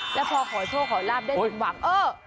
แล้วพอขอโชคขอลาบด้วยส่วนหวังเอ้อ